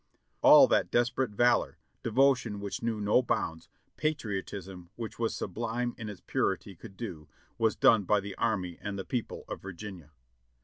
All that desperate valor, devotion which knew no bounds, patriotism which was sublime in its purity could do, was done by the army and the people of Virginia.